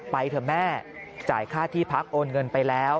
ไปเถอะแม่จ่ายค่าที่พักโอนเงินไปแล้ว